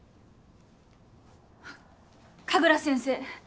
神楽先生